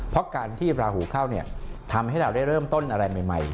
เพราะการที่ราหูเข้าเนี่ยทำให้เราได้เริ่มต้นอะไรใหม่